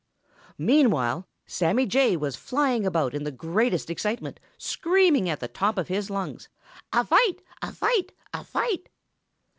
Meanwhile Sammy Jay was flying about in the greatest excitement, screaming at the top of his lungs, "A fight! A fight! A fight!"